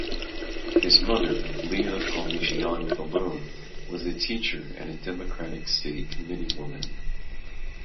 His mother, Leah Palmigiano Vallone, was a teacher and a Democratic State Committeewoman.